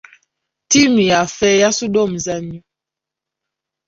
Ttiimu yaffe yasudde omuzannyo.